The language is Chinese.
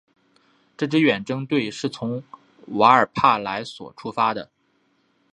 这支远征队是从瓦尔帕莱索出发的。